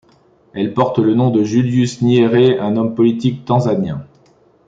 Elle porte le nom de Julius Nyerere, un homme politique tanzanien.